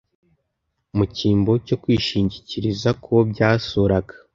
mu cyimbo cyo kwishingikiriza k'uwo byasuraga.